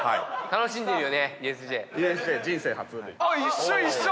一緒一緒！